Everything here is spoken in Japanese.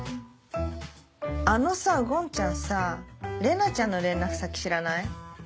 あのさごんちゃんさ玲奈ちゃんの連絡先知らない？